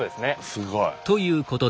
すごい。